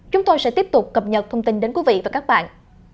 chúng tôi sẽ tiếp tục cập nhật thông tin đến quý vị và các bạn